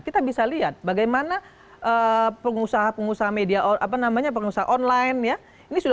kita bisa lihat bagaimana pengusaha pengusaha media pengusaha online